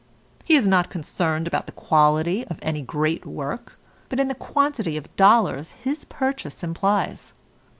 He is not concerned about the quality of any great work, but in the quantity of dollars his purchase implies.